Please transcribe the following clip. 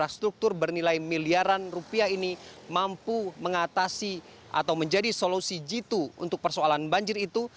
struktur bernilai miliaran rupiah ini mampu mengatasi atau menjadi solusi jitu untuk persoalan banjir itu